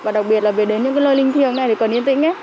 và đặc biệt là về đến những lơi linh thiêng này thì cần yên tĩnh